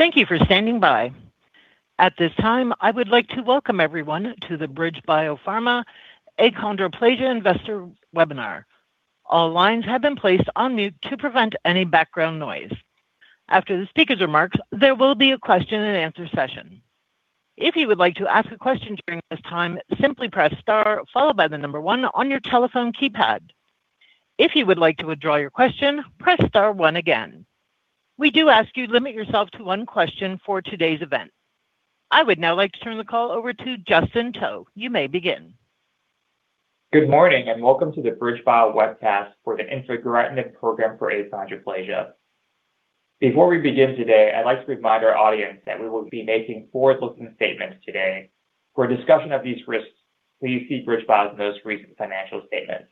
Thank you for standing by. At this time, I would like to welcome everyone to the BridgeBio Pharma Achondroplasia Investor Webinar. All lines have been placed on mute to prevent any background noise. After the speaker's remarks, there will be a question-and-answer session. If you would like to ask a question during this time, simply press star followed by the number one on your telephone keypad. If you would like to withdraw your question, press star one again. We do ask you to limit yourself to one question for today's event. I would now like to turn the call over to Justin To. You may begin. Good morning and welcome to the BridgeBio Webcast for the infigratinib Program for Achondroplasia. Before we begin today, I'd like to remind our audience that we will be making forward-looking statements today. For a discussion of these risks, please see BridgeBio's most recent financial statements.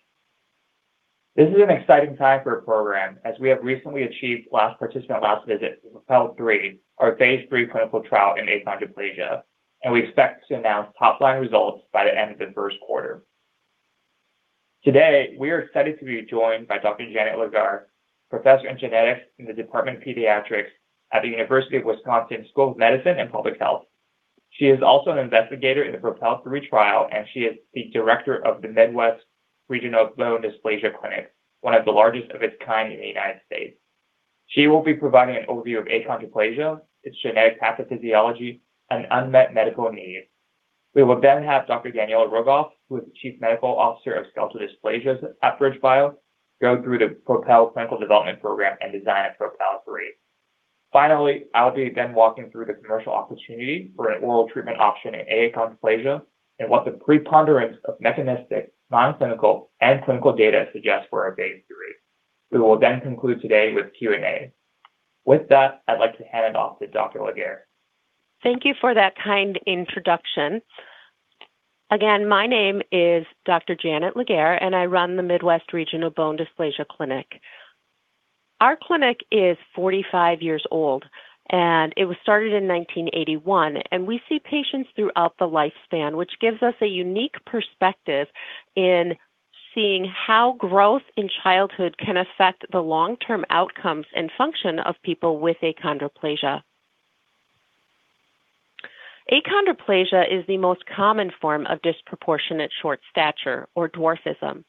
This is an exciting time for a program as we have recently achieved last participant last visit for PROPEL 3, our Phase 3 clinical trial in achondroplasia, and we expect to announce top-line results by the end of the first quarter. Today, we are excited to be joined by Dr. Janet Legare, Professor in Genetics in the Department of Pediatrics at the University of Wisconsin School of Medicine and Public Health. She is also an investigator in the PROPEL 3 trial, and she is the director of the Midwest Regional Bone Dysplasia Clinic, one of the largest of its kind in the United States. She will be providing an overview of achondroplasia, its genetic pathophysiology, and unmet medical needs. We will then have Dr. Daniela Rogoff, who is the Chief Medical Officer of Skeletal Dysplasia at BridgeBio, go through the PROPEL Clinical Development Program and design of PROPEL 3. Finally, I'll be then walking through the commercial opportunity for an oral treatment option in achondroplasia and what the preponderance of mechanistic, non-clinical, and clinical data suggests for a Phase 3. We will then conclude today with Q&A. With that, I'd like to hand it off to Dr. Legare. Thank you for that kind introduction. Again, my name is Dr. Janet Legare, and I run the Midwest Regional Bone Dysplasia Clinic. Our clinic is 45 years old, and it was started in 1981. We see patients throughout the lifespan, which gives us a unique perspective in seeing how growth in childhood can affect the long-term outcomes and function of people with achondroplasia. Achondroplasia is the most common form of disproportionate short stature, or dwarfism.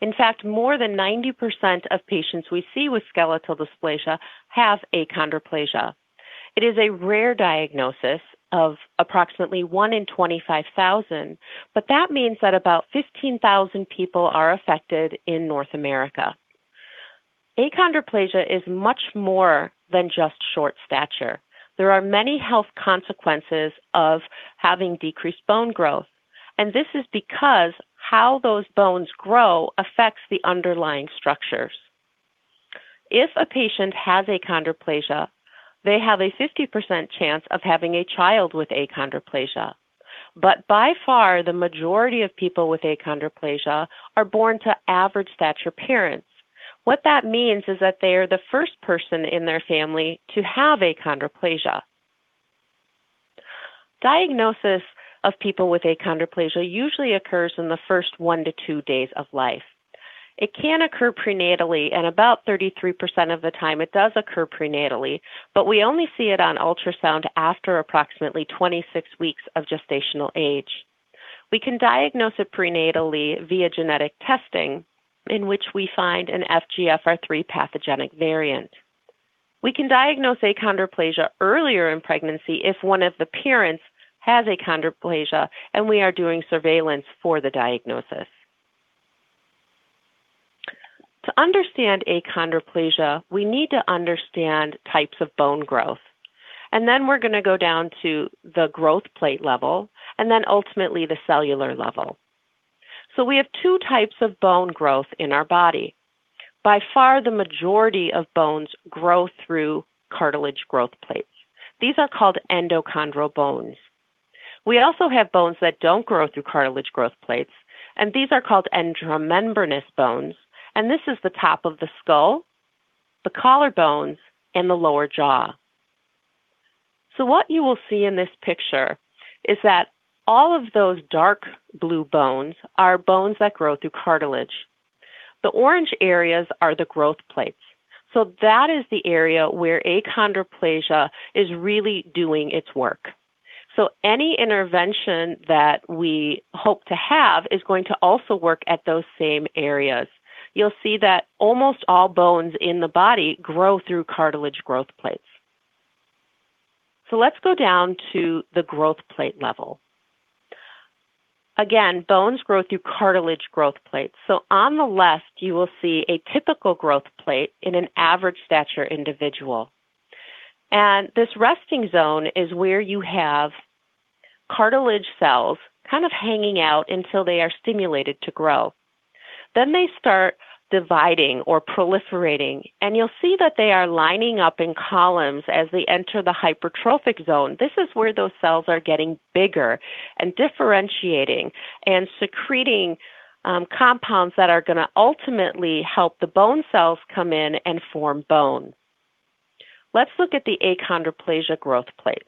In fact, more than 90% of patients we see with skeletal dysplasia have achondroplasia. It is a rare diagnosis of approximately one in 25,000, but that means that about 15,000 people are affected in North America. Achondroplasia is much more than just short stature. There are many health consequences of having decreased bone growth, and this is because how those bones grow affects the underlying structures. If a patient has achondroplasia, they have a 50% chance of having a child with achondroplasia, but by far the majority of people with achondroplasia are born to average-stature parents. What that means is that they are the first person in their family to have achondroplasia. Diagnosis of people with achondroplasia usually occurs in the first one to two days of life. It can occur prenatally, and about 33% of the time it does occur prenatally, but we only see it on ultrasound after approximately 26 weeks of gestational age. We can diagnose it prenatally via genetic testing, in which we find an FGFR3 pathogenic variant. We can diagnose achondroplasia earlier in pregnancy if one of the parents has achondroplasia, and we are doing surveillance for the diagnosis. To understand achondroplasia, we need to understand types of bone growth, and then we're going to go down to the growth plate level, and then ultimately the cellular level. So we have two types of bone growth in our body. By far, the majority of bones grow through cartilage growth plates. These are called endochondral bones. We also have bones that don't grow through cartilage growth plates, and these are called intramembranous bones, and this is the top of the skull, the collarbones, and the lower jaw. So what you will see in this picture is that all of those dark blue bones are bones that grow through cartilage. The orange areas are the growth plates. So that is the area where achondroplasia is really doing its work. So any intervention that we hope to have is going to also work at those same areas. You'll see that almost all bones in the body grow through cartilage growth plates. So let's go down to the growth plate level. Again, bones grow through cartilage growth plates. So on the left, you will see a typical growth plate in an average-stature individual. And this resting zone is where you have cartilage cells kind of hanging out until they are stimulated to grow. Then they start dividing or proliferating, and you'll see that they are lining up in columns as they enter the hypertrophic zone. This is where those cells are getting bigger and differentiating and secreting compounds that are going to ultimately help the bone cells come in and form bone. Let's look at the achondroplasia growth plate.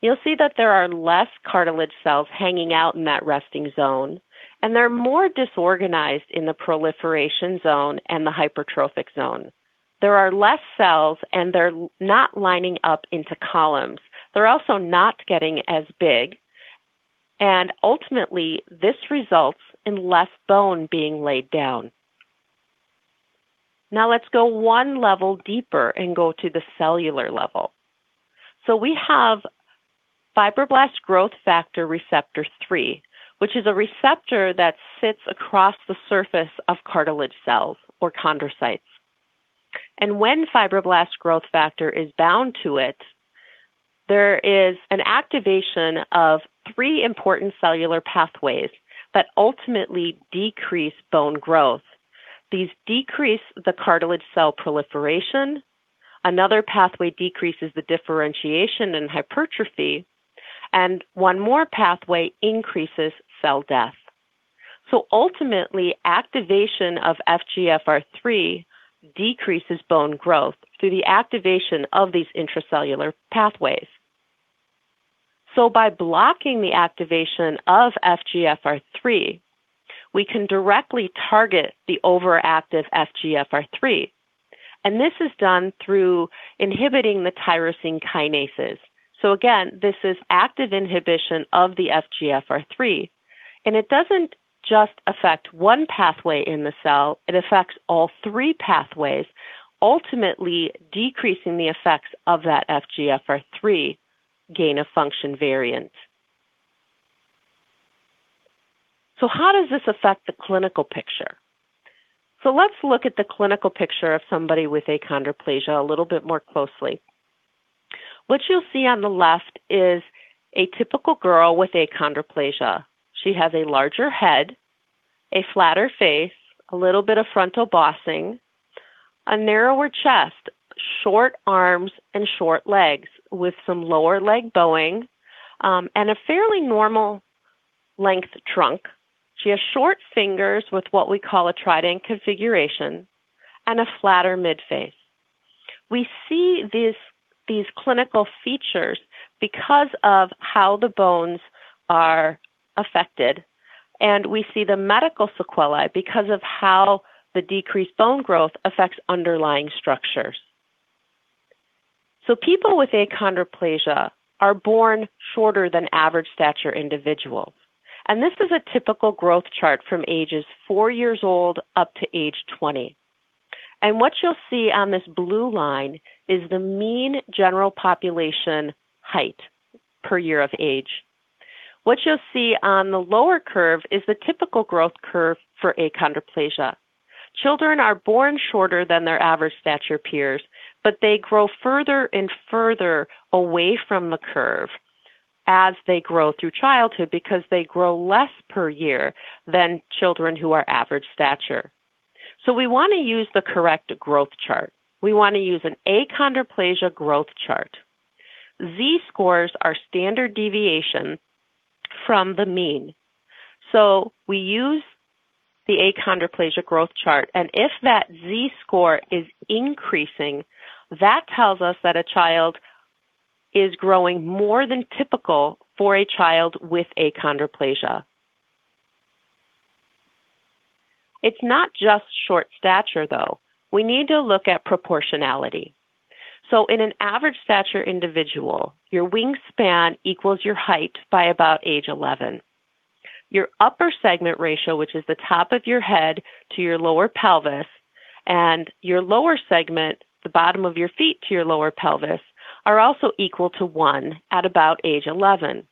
You'll see that there are less cartilage cells hanging out in that resting zone, and they're more disorganized in the proliferation zone and the hypertrophic zone. There are less cells, and they're not lining up into columns. They're also not getting as big, and ultimately this results in less bone being laid down. Now let's go one level deeper and go to the cellular level. So we have fibroblast growth factor receptor 3, which is a receptor that sits across the surface of cartilage cells or chondrocytes. And when fibroblast growth factor is bound to it, there is an activation of three important cellular pathways that ultimately decrease bone growth. These decrease the cartilage cell proliferation. Another pathway decreases the differentiation and hypertrophy, and one more pathway increases cell death. So ultimately, activation of FGFR3 decreases bone growth through the activation of these intracellular pathways. So by blocking the activation of FGFR3, we can directly target the overactive FGFR3, and this is done through inhibiting the tyrosine kinases. Again, this is active inhibition of the FGFR3, and it doesn't just affect one pathway in the cell. It affects all three pathways, ultimately decreasing the effects of that FGFR3 gain-of-function variant. How does this affect the clinical picture? Let's look at the clinical picture of somebody with achondroplasia a little bit more closely. What you'll see on the left is a typical girl with achondroplasia. She has a larger head, a flatter face, a little bit of frontal bossing, a narrower chest, short arms, and short legs with some lower leg bowing, and a fairly normal-length trunk. She has short fingers with what we call a trident configuration and a flatter midface. We see these clinical features because of how the bones are affected, and we see the medical sequelae because of how the decreased bone growth affects underlying structures. So people with achondroplasia are born shorter than average-stature individuals, and this is a typical growth chart from ages four years old up to age 20. And what you'll see on this blue line is the mean general population height per year of age. What you'll see on the lower curve is the typical growth curve for achondroplasia. Children are born shorter than their average-stature peers, but they grow further and further away from the curve as they grow through childhood because they grow less per year than children who are average-stature. So we want to use the correct growth chart. We want to use an achondroplasia growth chart. Z-scores are standard deviations from the mean. So we use the achondroplasia growth chart, and if that Z-score is increasing, that tells us that a child is growing more than typical for a child with achondroplasia. It's not just short stature, though. We need to look at proportionality. So in an average-stature individual, your wingspan equals your height by about age 11. Your upper segment ratio, which is the top of your head to your lower pelvis, and your lower segment, the bottom of your feet to your lower pelvis, are also equal to one at about age 11.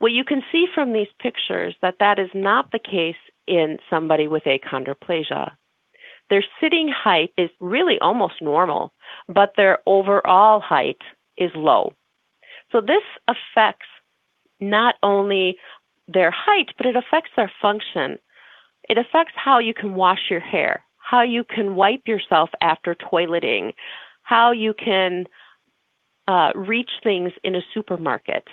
Well, you can see from these pictures that that is not the case in somebody with achondroplasia. Their sitting height is really almost normal, but their overall height is low. So this affects not only their height, but it affects their function. It affects how you can wash your hair, how you can wipe yourself after toileting, how you can reach things in a supermarket.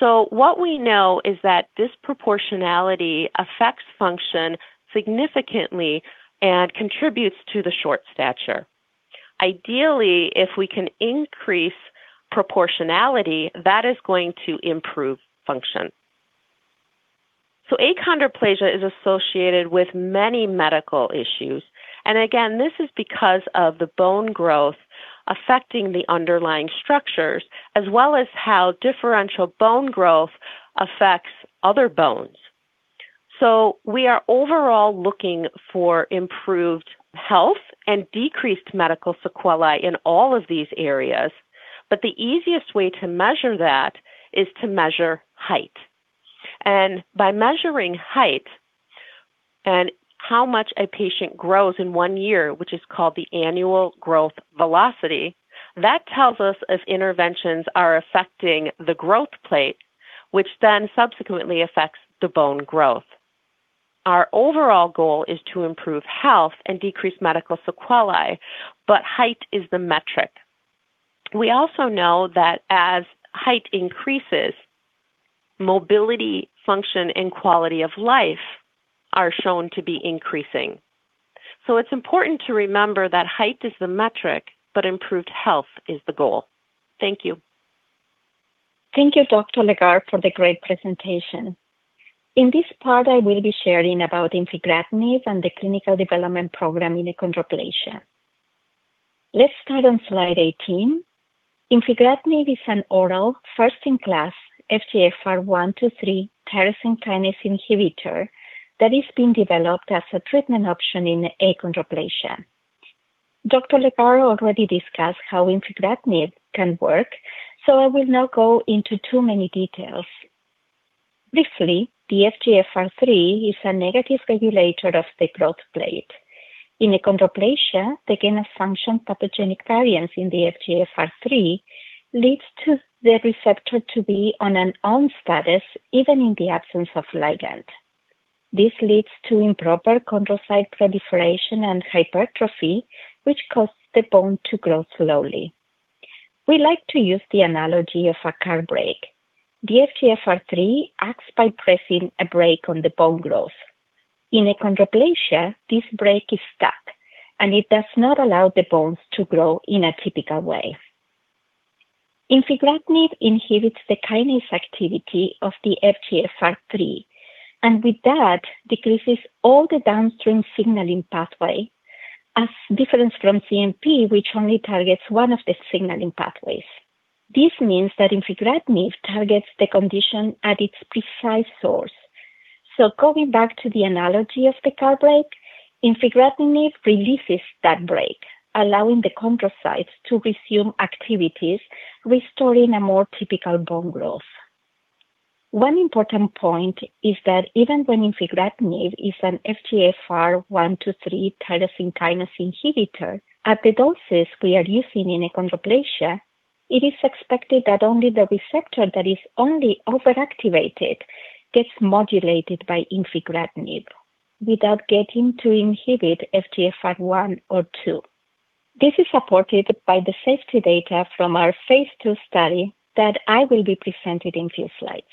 So what we know is that this proportionality affects function significantly and contributes to the short stature. Ideally, if we can increase proportionality, that is going to improve function, so achondroplasia is associated with many medical issues, and again, this is because of the bone growth affecting the underlying structures, as well as how differential bone growth affects other bones, so we are overall looking for improved health and decreased medical sequelae in all of these areas, but the easiest way to measure that is to measure height, and by measuring height and how much a patient grows in one year, which is called the annual growth velocity, that tells us if interventions are affecting the growth plate, which then subsequently affects the bone growth. Our overall goal is to improve health and decrease medical sequelae, but height is the metric. We also know that as height increases, mobility, function, and quality of life are shown to be increasing. So it's important to remember that height is the metric, but improved health is the goal. Thank you. Thank you, Dr. Legare, for the great presentation. In this part, I will be sharing about infigratinib and the clinical development program in achondroplasia. Let's start on slide 18. Infigratinib is an oral first-in-class FGFR1-3 tyrosine kinase inhibitor that is being developed as a treatment option in achondroplasia. Dr. Legare already discussed how infigratinib can work, so I will not go into too many details. Briefly, the FGFR3 is a negative regulator of the growth plate. In achondroplasia, the gain-of-function pathogenic variant in the FGFR3 leads to the receptor to be on an on status, even in the absence of ligand. This leads to improper chondrocyte proliferation and hypertrophy, which causes the bone to grow slowly. We like to use the analogy of a car brake. The FGFR3 acts by pressing a brake on the bone growth. In achondroplasia, this brake is stuck, and it does not allow the bones to grow in a typical way. Infigratinib inhibits the kinase activity of the FGFR3, and with that, decreases all the downstream signaling pathways, as different from CNP, which only targets one of the signaling pathways. This means that infigratinib targets the condition at its precise source. So going back to the analogy of the car brake, infigratinib releases that brake, allowing the chondrocytes to resume activities, restoring a more typical bone growth. One important point is that even when infigratinib is an FGFR1,2,3 tyrosine kinase inhibitor, at the doses we are using in achondroplasia, it is expected that only the receptor that is only overactivated gets modulated by infigratinib without getting to inhibit FGFR1 or 2. This is supported by the safety data from our Phase 2 study that I will be presenting in a few slides.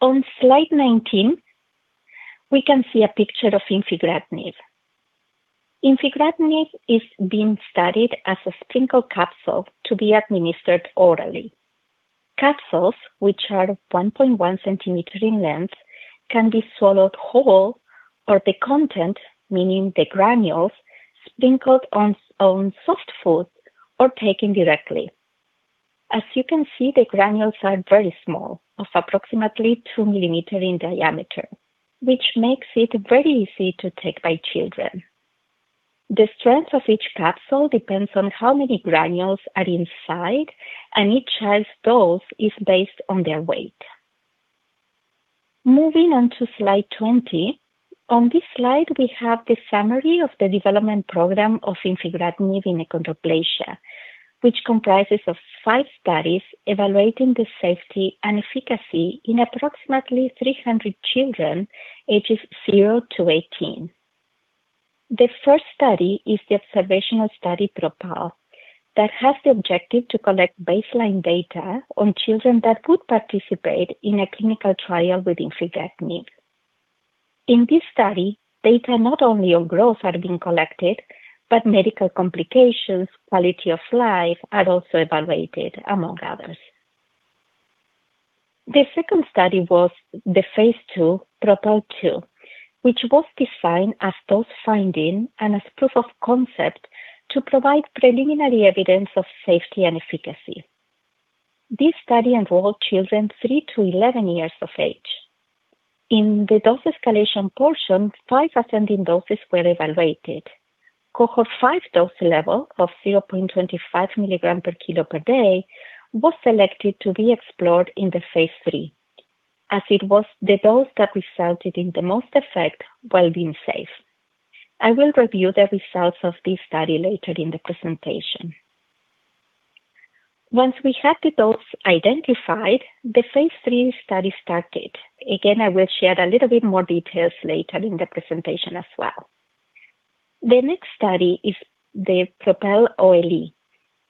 On slide 19, we can see a picture of infigratinib. Infigratinib is being studied as a sprinkle capsule to be administered orally. Capsules, which are 1.1 centimeters in length, can be swallowed whole or the content, meaning the granules, sprinkled on soft food or taken directly. As you can see, the granules are very small, of approximately two millimeters in diameter, which makes it very easy to take by children. The strength of each capsule depends on how many granules are inside, and each child's dose is based on their weight. Moving on to slide 20, on this slide, we have the summary of the development program of infigratinib in achondroplasia, which comprises five studies evaluating the safety and efficacy in approximately 300 children ages 0 to 18. The first study is the observational study PROPEL that has the objective to collect baseline data on children that would participate in a clinical trial with infigratinib. In this study, data not only on growth are being collected, but medical complications, quality of life are also evaluated, among others. The second study was the Phase 2, PROPEL 2, which was designed as dose finding and as proof of concept to provide preliminary evidence of safety and efficacy. This study involved children three to 11 years of age. In the dose escalation portion, five ascending doses were evaluated. Cohort 5 dose level of 0.25 milligrams per kilo per day was selected to be explored in the Phase 3, as it was the dose that resulted in the most effect while being safe. I will review the results of this study later in the presentation. Once we had the dose identified, the Phase 3 study started. Again, I will share a little bit more details later in the presentation as well. The next study is the PROPEL OLE.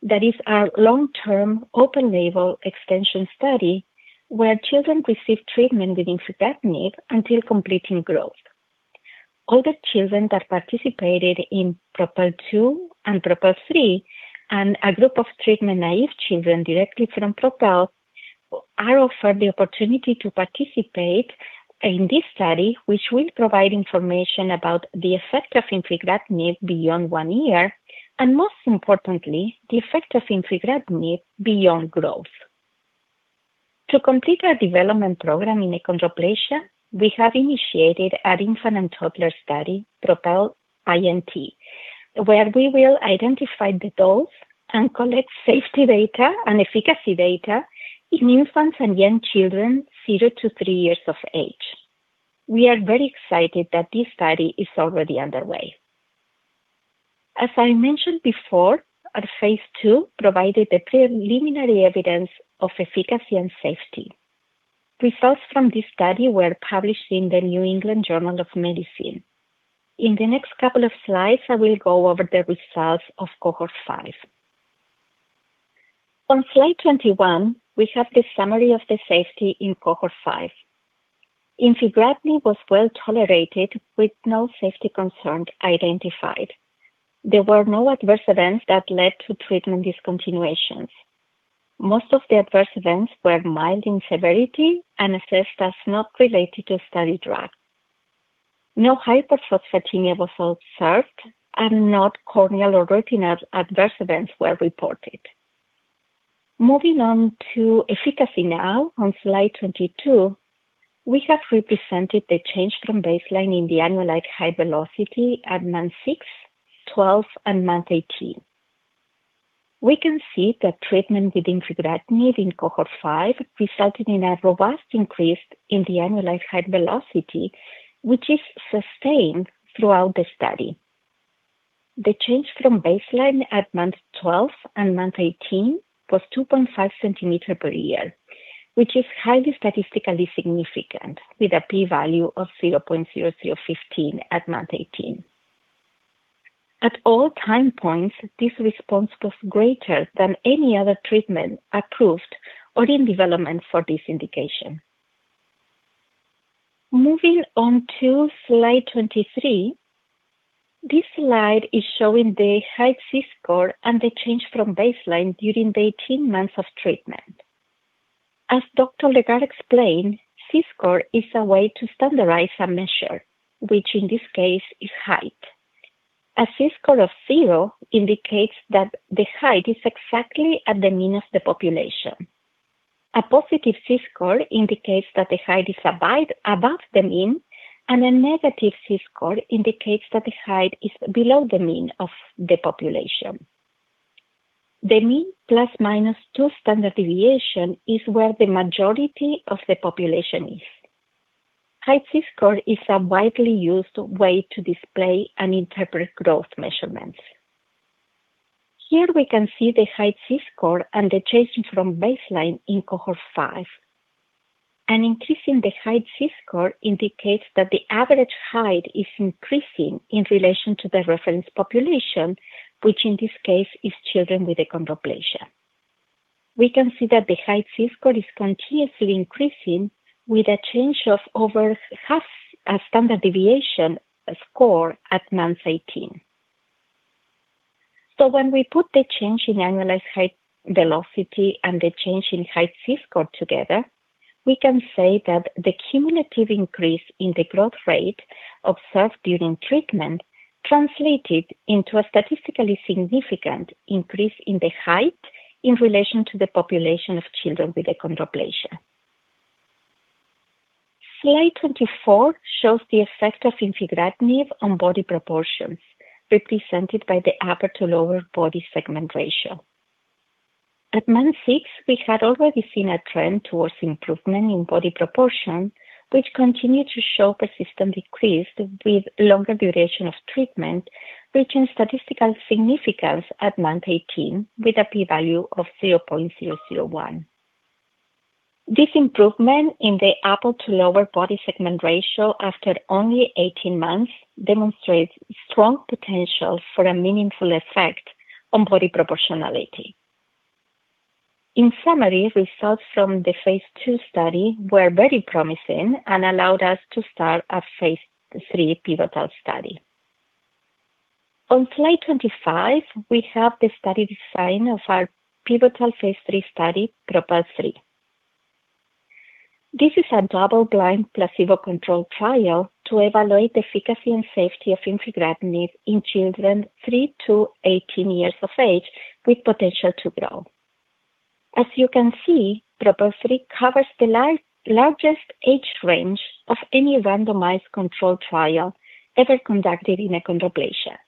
That is our long-term open-label extension study where children receive treatment with infigratinib until completing growth. All the children that participated in PROPEL 2 and PROPEL 3 and a group of treatment-naive children directly from PROPEL are offered the opportunity to participate in this study, which will provide information about the effect of infigratinib beyond one year and, most importantly, the effect of infigratinib beyond growth. To complete our development program in achondroplasia, we have initiated an infant and toddler study, PROPEL INT, where we will identify the dose and collect safety data and efficacy data in infants and young children 0 to 3 years of age. We are very excited that this study is already underway. As I mentioned before, our Phase 2 provided the preliminary evidence of efficacy and safety. Results from this study were published in the New England Journal of Medicine. In the next couple of slides, I will go over the results of Cohort 5. On slide 21, we have the summary of the safety in Cohort 5. Infigratinib was well tolerated with no safety concerns identified. There were no adverse events that led to treatment discontinuations. Most of the adverse events were mild in severity and assessed as not related to study drug. No hyperphosphatemia was observed and no corneal or retinal adverse events were reported. Moving on to efficacy now, on slide 22, we have represented the change from baseline in the annualized height velocity at month 6, 12, and month 18. We can see that treatment with infigratinib in Cohort 5 resulted in a robust increase in the annualized height velocity, which is sustained throughout the study. The change from baseline at month 12 and month 18 was 2.5 centimeters per year, which is highly statistically significant, with a p-value of 0.0015 at month 18. At all time points, this response was greater than any other treatment approved or in development for this indication. Moving on to slide 23, this slide is showing the height Z-score and the change from baseline during the 18 months of treatment. As Dr. Legare explained, Z-score is a way to standardize a measure, which in this case is height. A Z-score of 0 indicates that the height is exactly at the mean of the population. A positive Z-score indicates that the height is above the mean, and a negative Z-score indicates that the height is below the mean of the population. The mean plus-minus two standard deviation is where the majority of the population is. Height Z-score is a widely used way to display and interpret growth measurements. Here we can see the height Z-score and the change from baseline in cohort five. An increase in the height Z-score indicates that the average height is increasing in relation to the reference population, which in this case is children with achondroplasia. We can see that the height Z-score is continuously increasing with a change of over half a standard deviation score at month 18. When we put the change in annualized height velocity and the change in height Z-score together, we can say that the cumulative increase in the growth rate observed during treatment translated into a statistically significant increase in the height in relation to the population of children with achondroplasia. Slide 24 shows the effect of infigratinib on body proportions, represented by the upper to lower body segment ratio. At month 6, we had already seen a trend towards improvement in body proportion, which continued to show persistent decrease with longer duration of treatment, reaching statistical significance at month 18 with a p-value of 0.001. This improvement in the upper to lower body segment ratio after only 18 months demonstrates strong potential for a meaningful effect on body proportionality. In summary, results from the Phase 2 study were very promising and allowed us to start a Phase 3 pivotal study. On slide 25, we have the study design of our pivotal Phase 3 study, PROPEL 3. This is a double-blind placebo-controlled trial to evaluate the efficacy and safety of infigratinib in children three to 18 years of age with potential to grow. As you can see, PROPEL 3 covers the largest age range of any randomized controlled trial ever conducted in achondroplasia.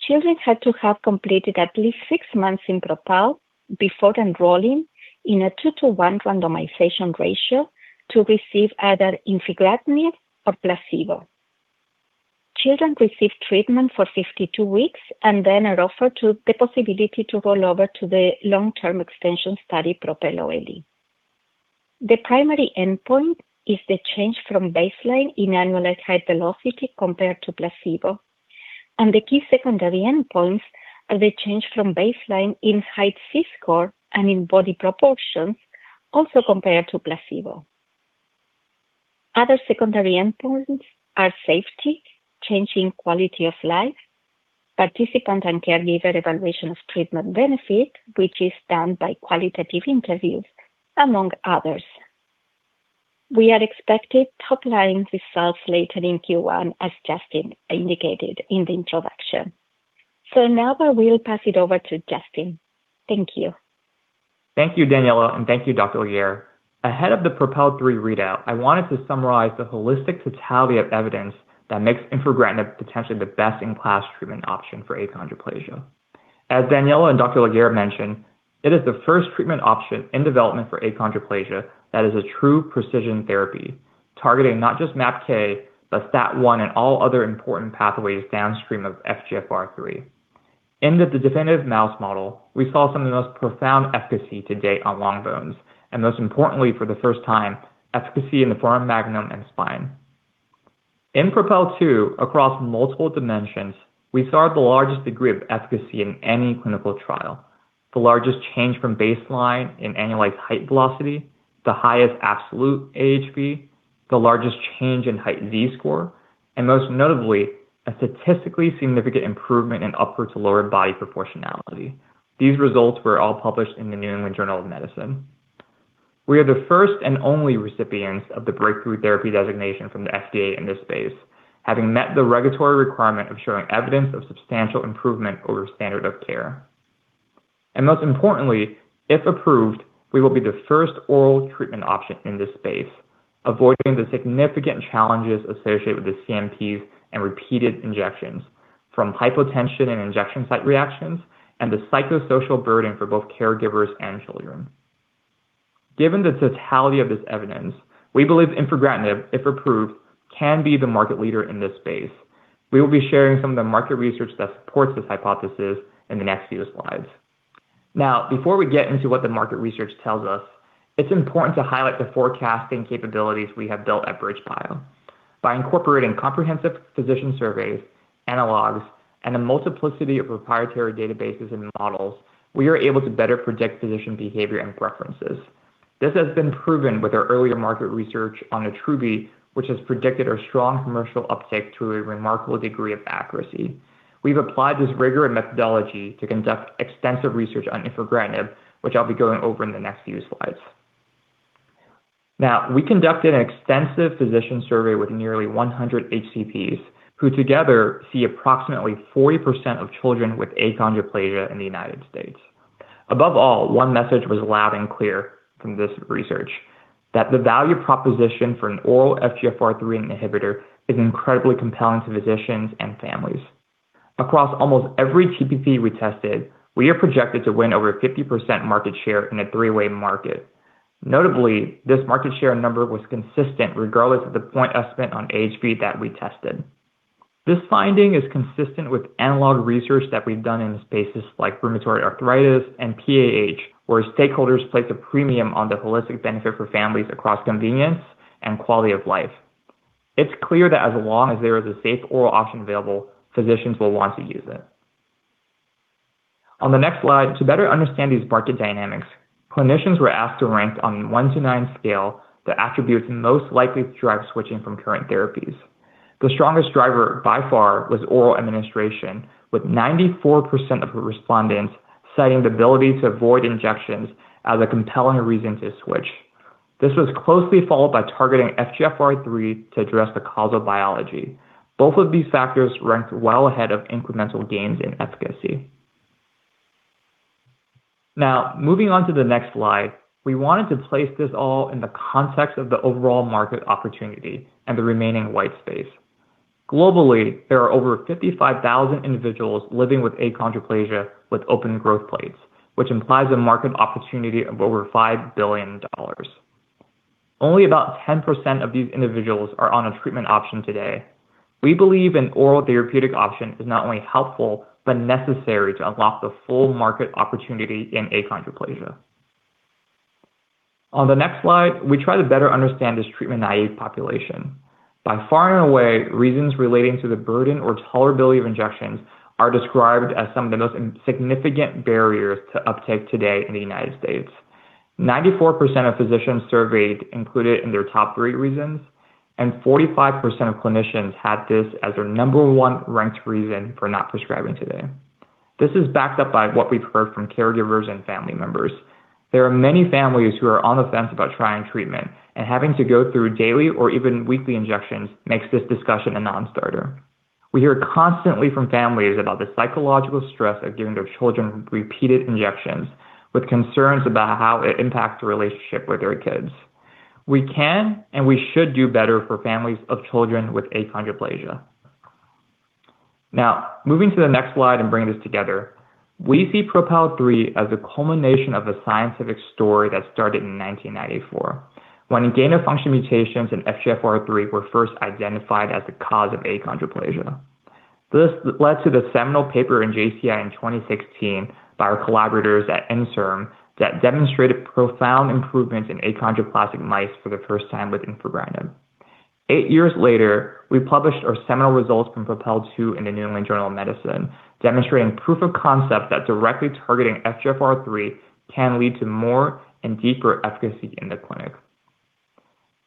Children had to have completed at least six months in PROPEL before enrolling in a two to one randomization ratio to receive either infigratinib or placebo. Children received treatment for 52 weeks and then are offered the possibility to roll over to the long-term extension study, PROPEL OLE. The primary endpoint is the change from baseline in annualized height velocity compared to placebo, and the key secondary endpoints are the change from baseline in height Z-score and in body proportions, also compared to placebo. Other secondary endpoints are safety, change in quality of life, participant and caregiver evaluation of treatment benefit, which is done by qualitative interviews, among others. We are expecting top-line results later in Q1, as Justin indicated in the introduction. So now I will pass it over to Justin. Thank you. Thank you, Daniela, and thank you, Dr. Legare. Ahead of the PROPEL 3 readout, I wanted to summarize the holistic totality of evidence that makes infigratinib potentially the best-in-class treatment option for achondroplasia. As Daniela and Dr. Legare mentioned, it is the first treatment option in development for achondroplasia that is a true precision therapy, targeting not just MAPK, but STAT1 and all other important pathways downstream of FGFR3. In the definitive mouse model, we saw some of the most profound efficacy to date on long bones, and most importantly, for the first time, efficacy in the foramen magnum and spine. In PROPEL 2, across multiple dimensions, we saw the largest degree of efficacy in any clinical trial, the largest change from baseline in annualized height velocity, the highest absolute AHV, the largest change in height Z-score, and most notably, a statistically significant improvement in upper to lower body proportionality. These results were all published in the New England Journal of Medicine. We are the first and only recipients of the breakthrough therapy designation from the FDA in this space, having met the regulatory requirement of showing evidence of substantial improvement over standard of care. And most importantly, if approved, we will be the first oral treatment option in this space, avoiding the significant challenges associated with the CNPs and repeated injections from hypotension and injection site reactions and the psychosocial burden for both caregivers and children. Given the totality of this evidence, we believe infigratinib, if approved, can be the market leader in this space. We will be sharing some of the market research that supports this hypothesis in the next few slides. Now, before we get into what the market research tells us, it is important to highlight the forecasting capabilities we have built at BridgeBio. By incorporating comprehensive physician surveys, analogs, and a multiplicity of proprietary databases and models, we are able to better predict physician behavior and preferences. This has been proven with our earlier market research on Attruby, which has predicted our strong commercial uptake to a remarkable degree of accuracy. We've applied this rigor and methodology to conduct extensive research on infigratinib, which I'll be going over in the next few slides. Now, we conducted an extensive physician survey with nearly 100 HCPs, who together see approximately 40% of children with achondroplasia in the United States. Above all, one message was loud and clear from this research: that the value proposition for an oral FGFR3 inhibitor is incredibly compelling to physicians and families. Across almost every TPP we tested, we are projected to win over 50% market share in a three-way market. Notably, this market share number was consistent regardless of the point estimate on HV that we tested. This finding is consistent with analog research that we've done in spaces like rheumatoid arthritis and PAH, where stakeholders place a premium on the holistic benefit for families across convenience and quality of life. It's clear that as long as there is a safe oral option available, physicians will want to use it. On the next slide, to better understand these market dynamics, clinicians were asked to rank on a one to nine scale the attributes most likely to drive switching from current therapies. The strongest driver by far was oral administration, with 94% of respondents citing the ability to avoid injections as a compelling reason to switch. This was closely followed by targeting FGFR3 to address the causal biology. Both of these factors ranked well ahead of incremental gains in efficacy. Now, moving on to the next slide, we wanted to place this all in the context of the overall market opportunity and the remaining white space. Globally, there are over 55,000 individuals living with achondroplasia with open growth plates, which implies a market opportunity of over $5 billion. Only about 10% of these individuals are on a treatment option today. We believe an oral therapeutic option is not only helpful, but necessary to unlock the full market opportunity in achondroplasia. On the next slide, we try to better understand this treatment naive population. By far and away, reasons relating to the burden or tolerability of injections are described as some of the most significant barriers to uptake today in the United States. 94% of physicians surveyed included in their top three reasons, and 45% of clinicians had this as their number one ranked reason for not prescribing today. This is backed up by what we've heard from caregivers and family members. There are many families who are on the fence about trying treatment, and having to go through daily or even weekly injections makes this discussion a non-starter. We hear constantly from families about the psychological stress of giving their children repeated injections, with concerns about how it impacts the relationship with their kids. We can and we should do better for families of children with achondroplasia. Now, moving to the next slide and bringing this together, we see PROPEL 3 as the culmination of a scientific story that started in 1994, when gain of function mutations in FGFR3 were first identified as the cause of achondroplasia. This led to the seminal paper in JCI in 2016 by our collaborators at INSERM that demonstrated profound improvements in achondroplastic mice for the first time with infigratinib. Eight years later, we published our seminal results from PROPEL 2 in the New England Journal of Medicine, demonstrating proof of concept that directly targeting FGFR3 can lead to more and deeper efficacy in the clinic.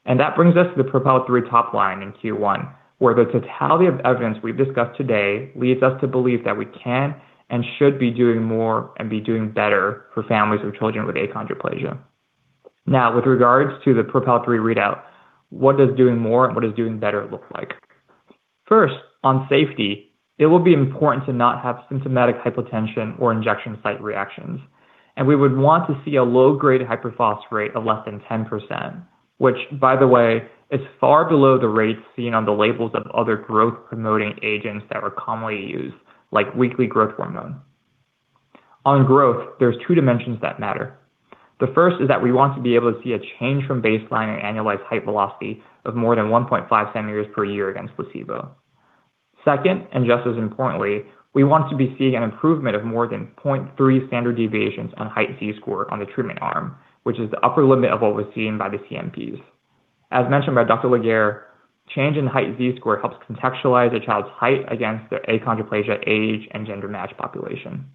And that brings us to the PROPEL 3 top line in Q1, where the totality of evidence we've discussed today leads us to believe that we can and should be doing more and be doing better for families of children with achondroplasia. Now, with regards to the PROPEL 3 readout, what does doing more and what does doing better look like? First, on safety, it will be important to not have symptomatic hypotension or injection site reactions, and we would want to see a low-grade hyperphosphatemia of less than 10%, which, by the way, is far below the rates seen on the labels of other growth-promoting agents that are commonly used, like weekly growth hormone. On growth, there are two dimensions that matter. The first is that we want to be able to see a change from baseline in annualized height velocity of more than 1.5 centimeters per year against placebo. Second, and just as importantly, we want to be seeing an improvement of more than 0.3 standard deviations on height Z-score on the treatment arm, which is the upper limit of what was seen by the CNPs. As mentioned by Dr. Legare, change in height Z-score helps contextualize a child's height against their achondroplasia age and gender match population.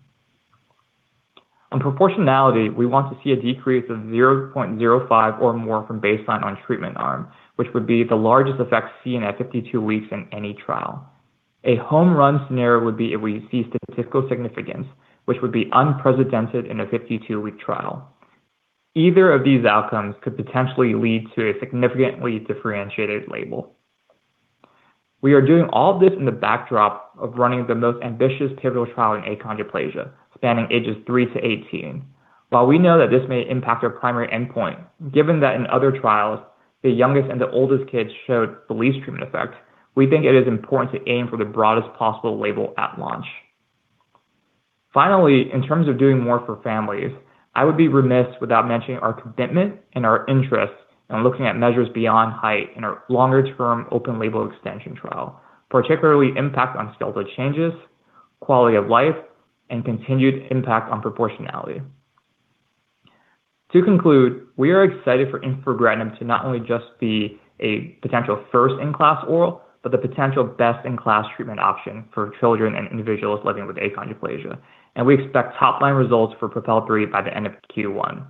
On proportionality, we want to see a decrease of 0.05 or more from baseline on treatment arm, which would be the largest effect seen at 52 weeks in any trial. A home run scenario would be if we see statistical significance, which would be unprecedented in a 52-week trial. Either of these outcomes could potentially lead to a significantly differentiated label. We are doing all of this in the backdrop of running the most ambitious pivotal trial in achondroplasia, spanning ages three to 18. While we know that this may impact our primary endpoint, given that in other trials, the youngest and the oldest kids showed the least treatment effect, we think it is important to aim for the broadest possible label at launch. Finally, in terms of doing more for families, I would be remiss without mentioning our commitment and our interest in looking at measures beyond height in our longer-term open label extension trial, particularly impact on skeletal changes, quality of life, and continued impact on proportionality. To conclude, we are excited for infigratinib to not only just be a potential first-in-class oral, but the potential best-in-class treatment option for children and individuals living with achondroplasia, and we expect top-line results for PROPEL 3 by the end of Q1.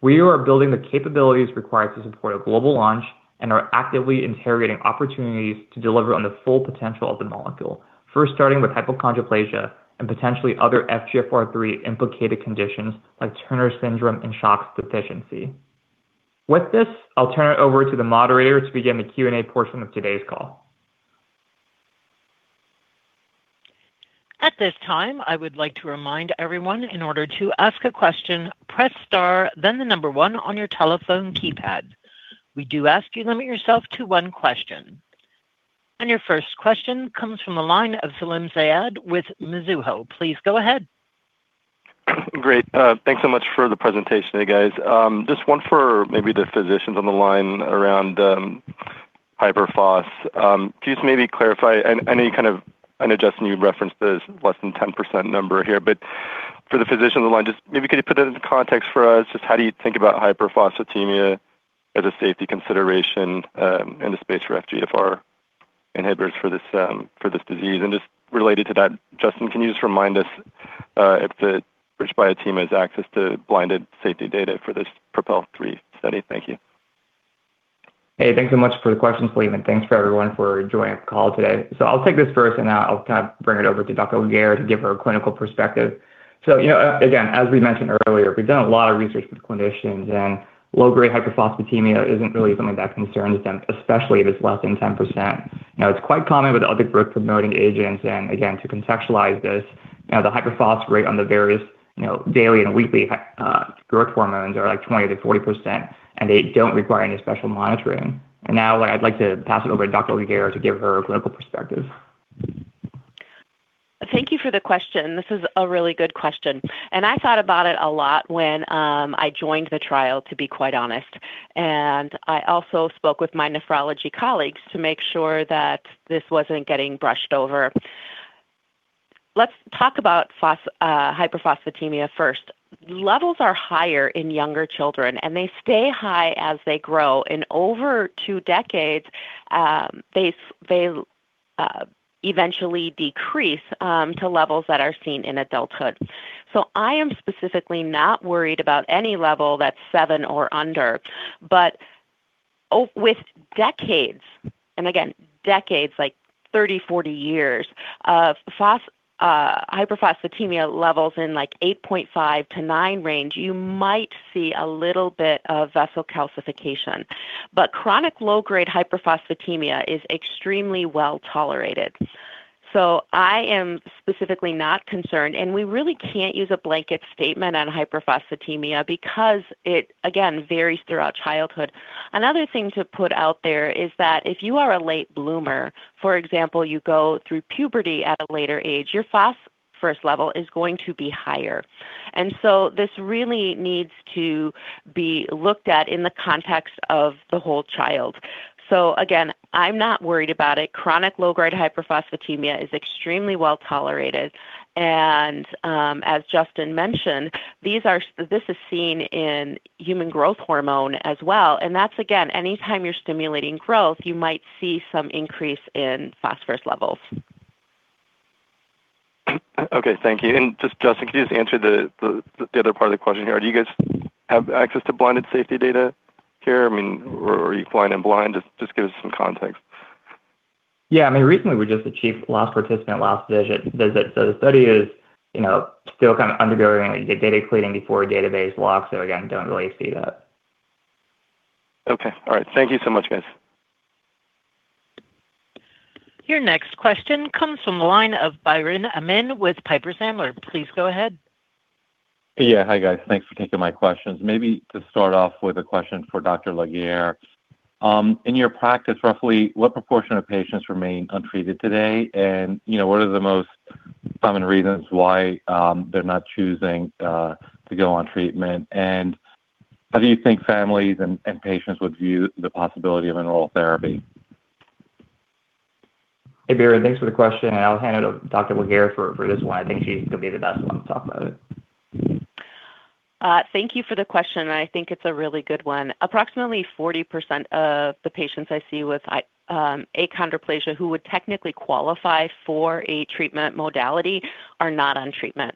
We are building the capabilities required to support a global launch and are actively interrogating opportunities to deliver on the full potential of the molecule, first starting with hypochondroplasia and potentially other FGFR3 implicated conditions like Turner syndrome and achondroplasia. With this, I'll turn it over to the moderator to begin the Q&A portion of today's call. At this time, I would like to remind everyone, in order to ask a question, press star, then the number one on your telephone keypad. We do ask you to limit yourself to one question, and your first question comes from the line of Salim Syed with Mizuho. Please go ahead. Great. Thanks so much for the presentation, you guys. Just one for maybe the physicians on the line around hyperphos. Can you just maybe clarify? I know you kind of, I know Justin, you referenced the less than 10% number here, but for the physicians on the line, just maybe could you put it into context for us? Just how do you think about hyperphosphatemia as a safety consideration in the space for FGFR inhibitors for this disease? And just related to that, Justin, can you just remind us if the BridgeBio team has access to blinded safety data for this PROPEL 3 study? Thank you. Hey, thanks so much for the questions, Salim, and thanks for everyone for joining the call today. So I'll take this first, and now I'll kind of bring it over to Dr. Legare to give her a clinical perspective. You know, again, as we mentioned earlier, we've done a lot of research with clinicians, and low-grade hyperphosphatemia isn't really something that concerns them, especially if it's less than 10%. Now, it's quite common with other growth-promoting agents, and again, to contextualize this, the hyperphosphatemia on the various daily and weekly growth hormones are like 20%-40%, and they don't require any special monitoring. Now I'd like to pass it over to Dr. Legare to give her a clinical perspective. Thank you for the question. This is a really good question. I thought about it a lot when I joined the trial, to be quite honest, and I also spoke with my nephrology colleagues to make sure that this wasn't getting brushed over. Let's talk about hyperphosphatemia first. Levels are higher in younger children, and they stay high as they grow. In over two decades, they eventually decrease to levels that are seen in adulthood. So I am specifically not worried about any level that's seven or under, but with decades, and again, decades like 30, 40 years of hyperphosphatemia levels in like 8.5 to 9 range, you might see a little bit of vessel calcification. But chronic low-grade hyperphosphatemia is extremely well tolerated. So I am specifically not concerned, and we really can't use a blanket statement on hyperphosphatemia because it, again, varies throughout childhood. Another thing to put out there is that if you are a late bloomer, for example, you go through puberty at a later age, your phosphorus level is going to be higher. And so this really needs to be looked at in the context of the whole child. So again, I'm not worried about it. Chronic low-grade hyperphosphatemia is extremely well tolerated. And as Justin mentioned, this is seen in human growth hormone as well. And that's, again, anytime you're stimulating growth, you might see some increase in phosphorus levels. Okay, thank you. And just, Justin, could you just answer the other part of the question here? Do you guys have access to blinded safety data here? I mean, or are you flying in blind? Just give us some context. Yeah, I mean, recently we just achieved last participant last visit. So the study is still kind of undergoing data cleaning before database locks, so again, don't really see that. Okay, all right. Thank you so much, guys. Your next question comes from the line of Biren Amin with Piper Sandler. Please go ahead. Yeah, hi guys. Thanks for taking my questions. Maybe to start off with a question for Dr. Legare. In your practice, roughly, what proportion of patients remain untreated today, and what are the most common reasons why they're not choosing to go on treatment? And how do you think families and patients would view the possibility of oral therapy? Hey, Biren, thanks for the question. I'll hand it over to Dr. Legare for this one. I think she's going to be the best one to talk about it. Thank you for the question. I think it's a really good one. Approximately 40% of the patients I see with achondroplasia who would technically qualify for a treatment modality are not on treatment,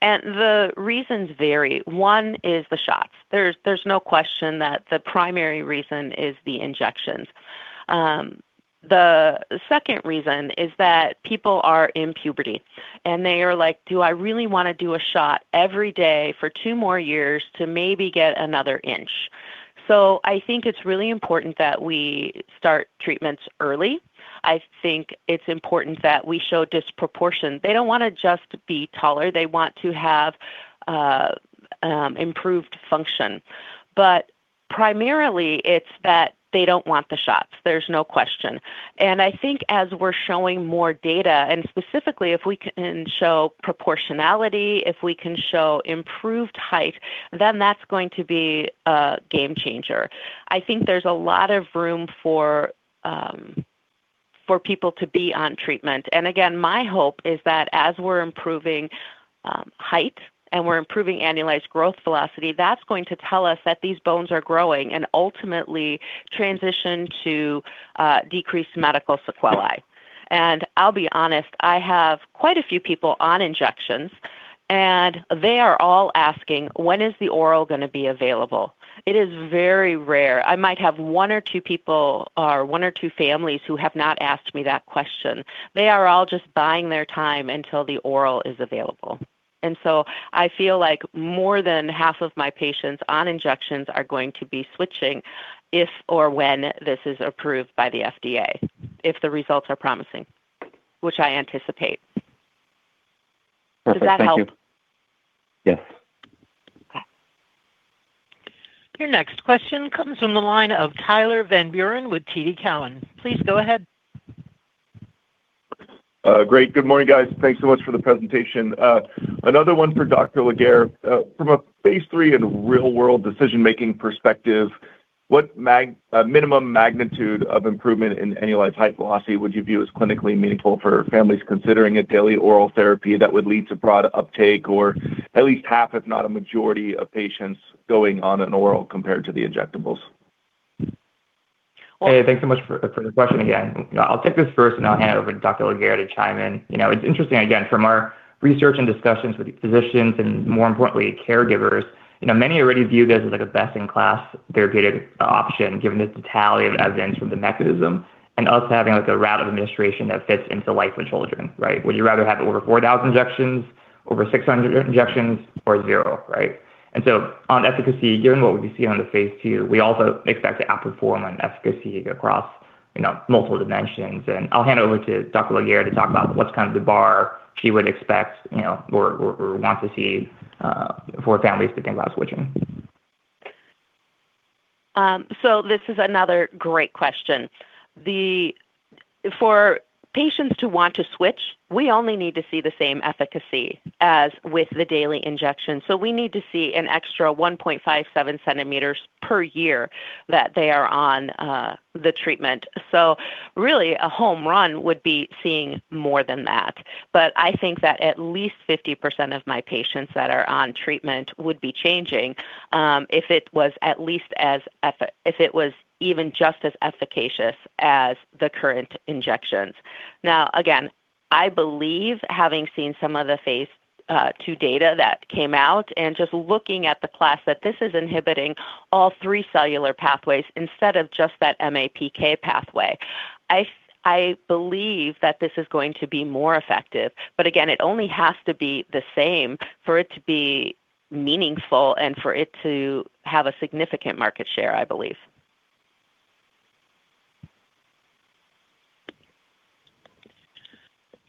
and the reasons vary. One is the shots. There's no question that the primary reason is the injections. The second reason is that people are in puberty, and they are like, "Do I really want to do a shot every day for two more years to maybe get another inch?" so I think it's really important that we start treatments early. I think it's important that we show disproportion. They don't want to just be taller. They want to have improved function, but primarily, it's that they don't want the shots. There's no question, and I think as we're showing more data, and specifically if we can show proportionality, if we can show improved height, then that's going to be a game changer. I think there's a lot of room for people to be on treatment. And again, my hope is that as we're improving height and we're improving annualized growth velocity, that's going to tell us that these bones are growing and ultimately transition to decreased medical sequelae. And I'll be honest, I have quite a few people on injections, and they are all asking, "When is the oral going to be available?" It is very rare. I might have one or two people or one or two families who have not asked me that question. They are all just buying their time until the oral is available. And so I feel like more than half of my patients on injections are going to be switching if or when this is approved by the FDA, if the results are promising, which I anticipate. Does that help? Yes. Okay. Your next question comes from the line of Tyler Van Buren with TD Cowen. Please go ahead. Great. Good morning, guys. Thanks so much for the presentation. Another one for Dr. Legare. From a Phase 3 and real-world decision-making perspective, what minimum magnitude of improvement in annualized height velocity would you view as clinically meaningful for families considering a daily oral therapy that would lead to broad uptake or at least half, if not a majority, of patients going on an oral compared to the injectables? Hey, thanks so much for the question. Again, I'll take this first, and I'll hand it over to Dr. Legare to chime in. It's interesting, again, from our research and discussions with physicians and, more importantly, caregivers, many already view this as a best-in-class therapeutic option given the totality of evidence from the mechanism and us having a route of administration that fits into life with children, right? Would you rather have over 4,000 injections, over 600 injections, or zero, right? And so on efficacy, given what we see on the Phase 2, we also expect to outperform on efficacy across multiple dimensions, and I'll hand it over to Dr. Legare to talk about what's kind of the bar she would expect or want to see for families to think about switching. So this is another great question. For patients to want to switch, we only need to see the same efficacy as with the daily injection, so we need to see an extra 1.57 cm per year that they are on the treatment, so really, a home run would be seeing more than that, but I think that at least 50% of my patients that are on treatment would be changing if it was at least as effective, if it was even just as efficacious as the current injections. Now, again, I believe having seen some of the Phase 2 data that came out and just looking at the class that this is inhibiting all three cellular pathways instead of just that MAPK pathway, I believe that this is going to be more effective. But again, it only has to be the same for it to be meaningful and for it to have a significant market share, I believe.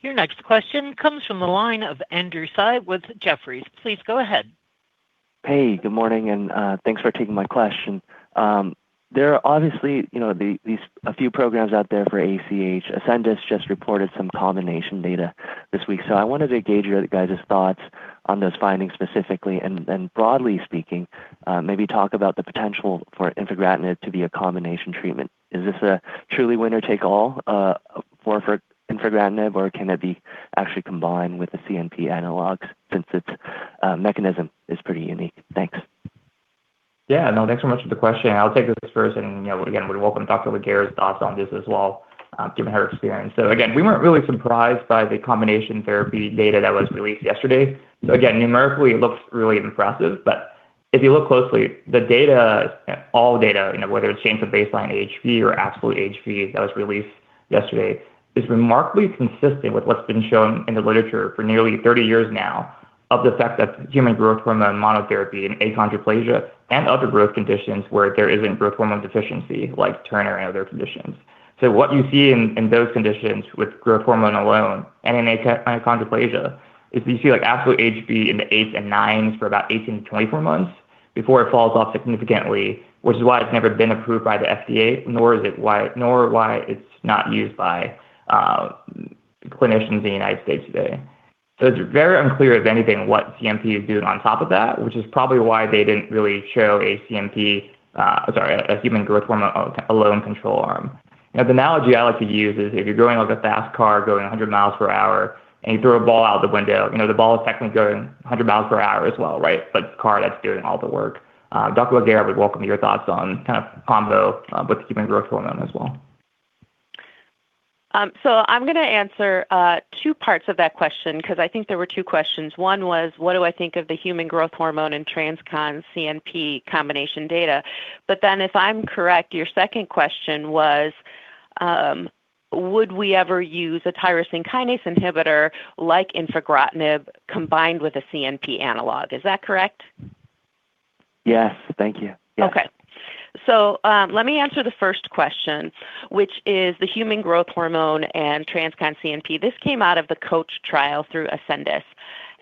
Your next question comes from the line of Andrew Tsai with Jefferies. Please go ahead. Hey, good morning, and thanks for taking my question. There are obviously a few programs out there for ACH. Ascendis just reported some combination data this week. So I wanted to gauge your guys' thoughts on those findings specifically, and broadly speaking, maybe talk about the potential for infigratinib to be a combination treatment. Is this a truly winner-take-all for infigratinib, or can it be actually combined with the CNP analogs since its mechanism is pretty unique? Thanks. Yeah, no, thanks so much for the question. I'll take this first, and again, we welcome Dr. Legare's thoughts on this as well, given her experience, so again, we weren't really surprised by the combination therapy data that was released yesterday, so again, numerically, it looks really impressive, but if you look closely, the data, all data, whether it's change of baseline HV or absolute HV that was released yesterday, is remarkably consistent with what's been shown in the literature for nearly 30 years now of the fact that human growth hormone monotherapy and achondroplasia and other growth conditions where there isn't growth hormone deficiency like Turner and other conditions. So what you see in those conditions with growth hormone alone and in achondroplasia is you see absolute HV in the eights and nines for about 18-24 months before it falls off significantly, which is why it's never been approved by the FDA, nor why it's not used by clinicians in the United States today. So it's very unclear, if anything, what CNP is doing on top of that, which is probably why they didn't really show a CNP, sorry, a human growth hormone alone control arm. Now, the analogy I like to use is if you're going like a fast car going 100 miles per hour and you throw a ball out the window, the ball is technically going 100 miles per hour as well, right? But it's a car that's doing all the work. Dr. Legare would welcome your thoughts on kind of combo with human growth hormone as well. So I'm going to answer two parts of that question because I think there were two questions. One was, what do I think of the human growth hormone and TransCon CNP combination data? But then if I'm correct, your second question was, would we ever use a tyrosine kinase inhibitor like infigratinib combined with a CNP analog? Is that correct? Yes, thank you. Yes. Okay. So let me answer the first question, which is the human growth hormone and TransCon CNP. This came out of the ApproaCH trial through Ascendis.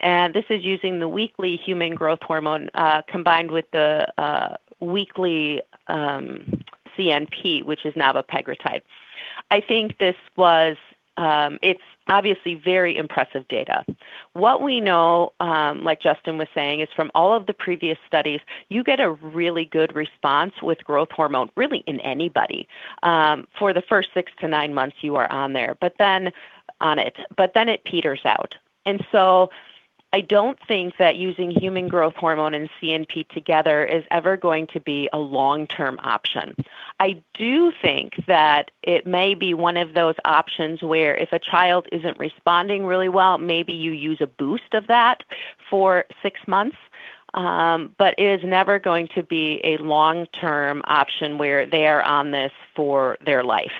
And this is using the weekly human growth hormone combined with the weekly CNP, which is navepegritide. I think this was, it's obviously very impressive data. What we know, like Justin was saying, is from all of the previous studies, you get a really good response with growth hormone, really in anybody. For the first six to nine months, you are on there, but then on it, but then it peters out, and so I don't think that using human growth hormone and CNP together is ever going to be a long-term option. I do think that it may be one of those options where if a child isn't responding really well, maybe you use a boost of that for six months, but it is never going to be a long-term option where they are on this for their life,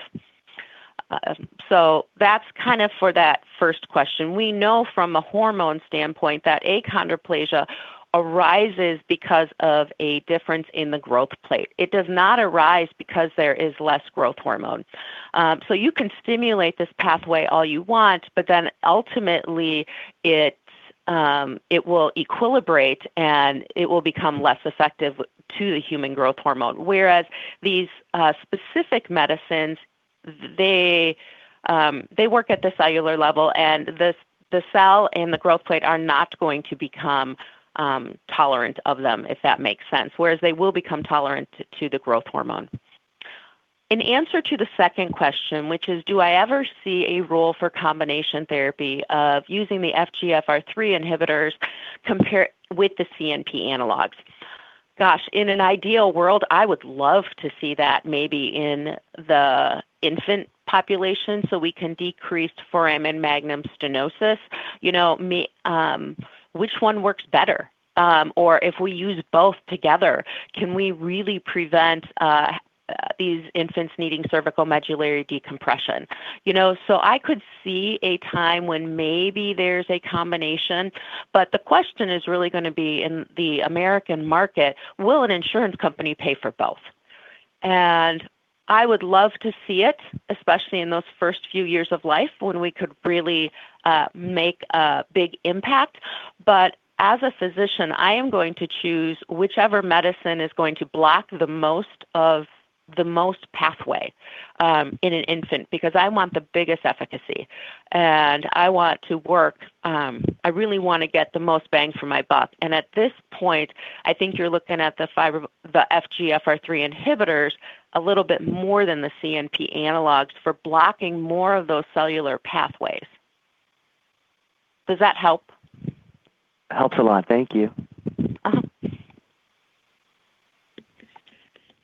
so that's kind of for that first question. We know from a hormone standpoint that achondroplasia arises because of a difference in the growth plate. It does not arise because there is less growth hormone. So you can stimulate this pathway all you want, but then ultimately it will equilibrate and it will become less effective to the human growth hormone. Whereas these specific medicines, they work at the cellular level, and the cell and the growth plate are not going to become tolerant of them, if that makes sense, whereas they will become tolerant to the growth hormone. In answer to the second question, which is, do I ever see a role for combination therapy of using the FGFR3 inhibitors with the CNP analogs? Gosh, in an ideal world, I would love to see that maybe in the infant population so we can decrease foramen magnum stenosis. Which one works better? Or if we use both together, can we really prevent these infants needing cervical medullary decompression? So I could see a time when maybe there's a combination, but the question is really going to be in the American market, will an insurance company pay for both? And I would love to see it, especially in those first few years of life when we could really make a big impact. But as a physician, I am going to choose whichever medicine is going to block the most pathway in an infant because I want the biggest efficacy. And I want to work, I really want to get the most bang for my buck. And at this point, I think you're looking at the FGFR3 inhibitors a little bit more than the CNP analogs for blocking more of those cellular pathways. Does that help? Helps a lot. Thank you.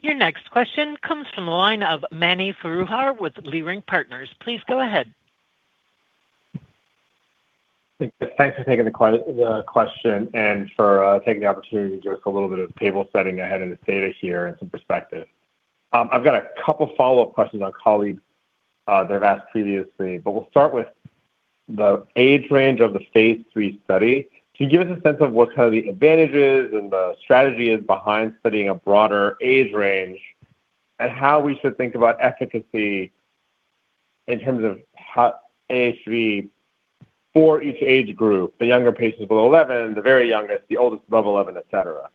Your next question comes from the line of Mani Foroohar with Leerink Partners. Please go ahead. Thanks for taking the question and for taking the opportunity to give us a little bit of table setting ahead of this data here and some perspective. I've got a couple of follow-up questions on questions that I've asked previously, but we'll start with the age range of the Phase 3 study. Can you give us a sense of what some of the advantages and the strategy is behind studying a broader age range and how we should think about efficacy in terms of AHV for each age group, the younger patients below 11, the very youngest, the oldest above 11, etc.?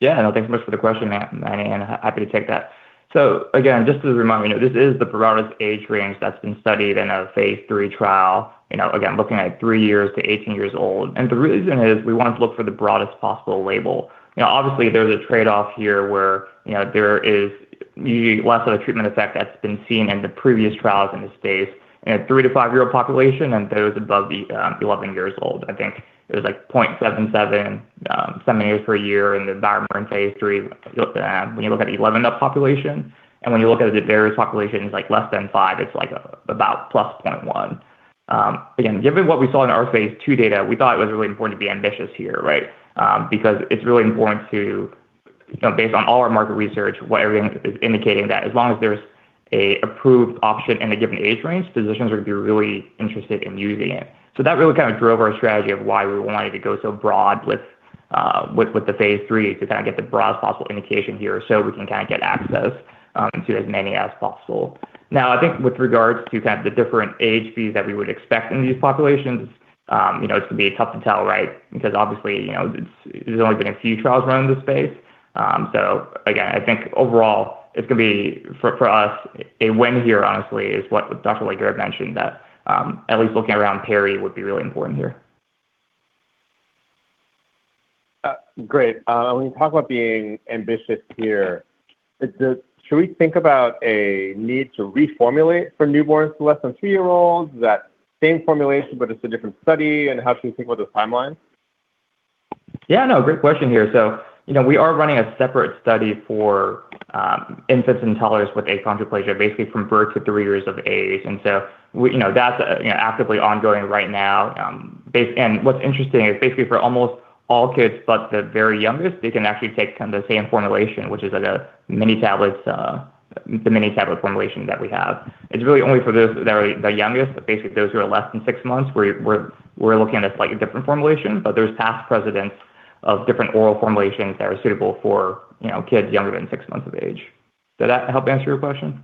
Yeah, no, thanks so much for the question, Mani. And happy to take that. So again, just as a reminder, this is the broadest age range that's been studied in a Phase 3 trial, again, looking at three years to 18 years old. And the reason is we want to look for the broadest possible label. Obviously, there's a trade-off here where there is usually less of a treatment effect that's been seen in the previous trials in this phase, in a three to five-year-old population and those above 11 years old. I think it was like 0.77 centimeters per year in the BioMarin in Phase 3 when you look at the 11-up population. And when you look at the various populations, like less than five, it's like about +0.1. Again, given what we saw in our Phase 2 data, we thought it was really important to be ambitious here, right? Because it's really important to, based on all our market research, what everything is indicating that as long as there's an approved option in a given age range, physicians are going to be really interested in using it. So that really kind of drove our strategy of why we wanted to go so broad with the Phase 3 to kind of get the broadest possible indication here so we can kind of get access to as many as possible. Now, I think with regards to kind of the different AHVs that we would expect in these populations, it's going to be tough to tell, right? Because obviously, there's only been a few trials run in this space. So again, I think overall, it's going to be for us, a win here, honestly, is what Dr. Legare mentioned that at least looking around parity would be really important here. Great. And when you talk about being ambitious here, should we think about a need to reformulate for newborns to less than three-year-olds, that same formulation, but it's a different study, and how should we think about the timeline? Yeah, no, great question here. So we are running a separate study for infants and toddlers with achondroplasia, basically from birth to three years of age. And so that's actively ongoing right now. And what's interesting is basically for almost all kids, but the very youngest, they can actually take the same formulation, which is the mini tablets, the mini tablet formulation that we have. It's really only for the youngest, basically those who are less than six months, we're looking at a slightly different formulation, but there's past precedents of different oral formulations that are suitable for kids younger than six months of age. Does that help answer your question?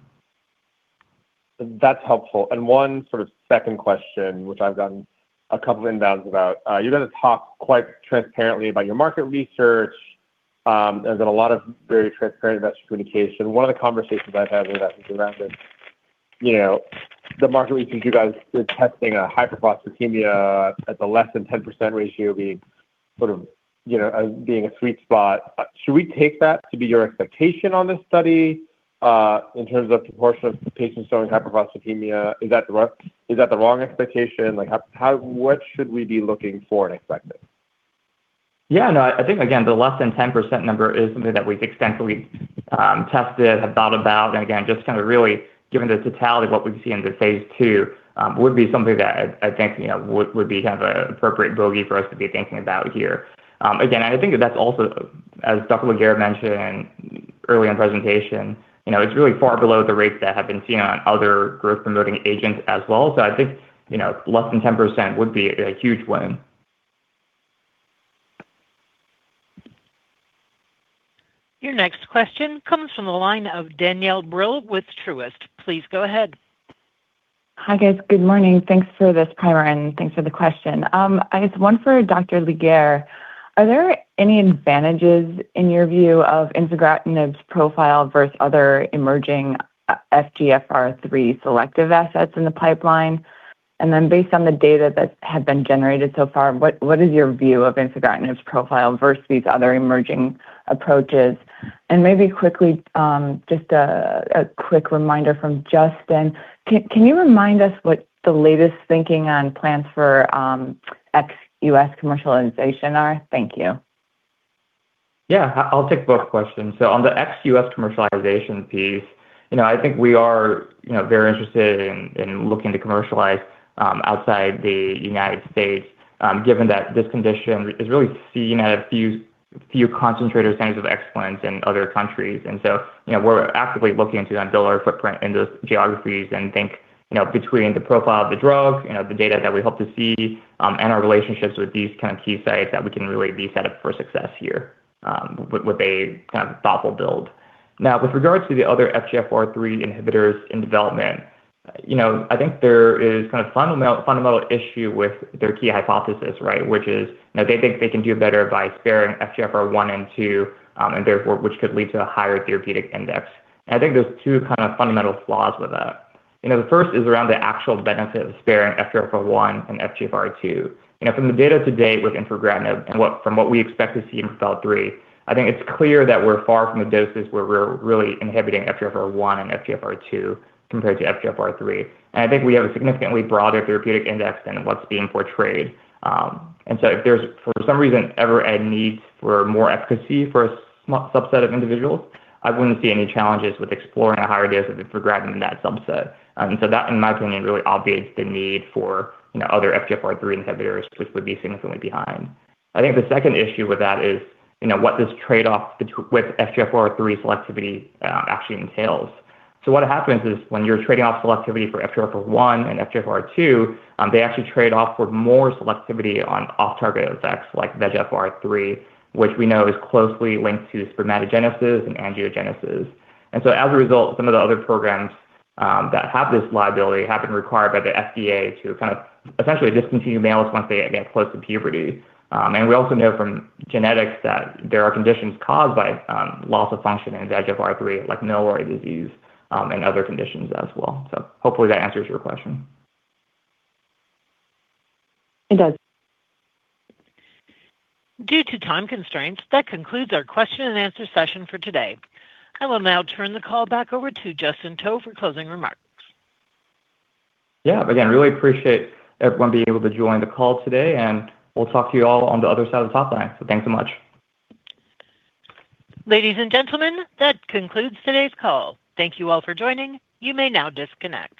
That's helpful. And one sort of second question, which I've gotten a couple of inbounds about, you guys talk quite transparently about your market research. There's been a lot of very transparent investor communication. One of the conversations I've had with that is around the market research you guys are testing a hyperphosphatemia at the less than 10% ratio being sort of a sweet spot. Should we take that to be your expectation on this study in terms of proportion of patients showing hyperphosphatemia? Is that the wrong expectation? What should we be looking for and expecting? Yeah, no, I think, again, the less than 10% number is something that we've extensively tested, have thought about, and again, just kind of really given the totality of what we've seen in the Phase 2 would be something that I think would be kind of an appropriate bogey for us to be thinking about here. Again, and I think that that's also, as Dr. Legare mentioned early in presentation, it's really far below the rates that have been seen on other growth-promoting agents as well. So I think less than 10% would be a huge win. Your next question comes from the line of Danielle Brill with Truist. Please go ahead. Hi guys, good morning. Thanks for this primer and thanks for the question. I just want for Dr. Legare, are there any advantages in your view of infigratinib's profile versus other emerging FGFR3 selective assets in the pipeline? And then based on the data that have been generated so far, what is your view of infigratinib's profile versus these other emerging approaches? And maybe quickly, just a quick reminder from Justin, can you remind us what the latest thinking on plans for ex-U.S. commercialization are? Thank you. Yeah, I'll take both questions. So on the ex-U.S. commercialization piece, I think we are very interested in looking to commercialize outside the United States, given that this condition is really seen at a few concentration centers of excellence in other countries. And so we're actively looking to build our footprint in those geographies and think between the profile of the drug, the data that we hope to see, and our relationships with these kind of key sites that we can really be set up for success here with a kind of thoughtful build. Now, with regards to the other FGFR3 inhibitors in development, I think there is kind of a fundamental issue with their key hypothesis, right? Which is now they think they can do better by sparing FGFR1 and 2, and therefore, which could lead to a higher therapeutic index. And I think there's two kind of fundamental flaws with that. The first is around the actual benefit of sparing FGFR1 and FGFR2. From the data to date with infigratinib and from what we expect to see in Phase 3, I think it's clear that we're far from the doses where we're really inhibiting FGFR1 and FGFR2 compared to FGFR3. And I think we have a significantly broader therapeutic index than what's being portrayed. And so if there's, for some reason, ever a need for more efficacy for a subset of individuals, I wouldn't see any challenges with exploring a higher dose of infigratinib in that subset. And so that, in my opinion, really obviates the need for other FGFR3 inhibitors, which would be significantly behind. I think the second issue with that is what this trade-off with FGFR3 selectivity actually entails. So what happens is when you're trading off selectivity for FGFR1 and FGFR2, they actually trade off for more selectivity on off-target effects like VEGFR3, which we know is closely linked to spermatogenesis and angiogenesis. And so as a result, some of the other programs that have this liability have been required by the FDA to kind of essentially discontinue males once they get close to puberty. And we also know from genetics that there are conditions caused by loss of function in VEGFR3, like Milroy disease and other conditions as well. So hopefully that answers your question. It does. Due to time constraints, that concludes our question and answer session for today. I will now turn the call back over to Justin To for closing remarks. Yeah, again, really appreciate everyone being able to join the call today, and we'll talk to you all on the other side of the top line. So thanks so much. Ladies and gentlemen, that concludes today's call. Thank you all for joining. You may now disconnect.